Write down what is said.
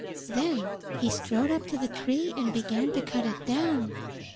Then he strode up to the tree and began to cut it down.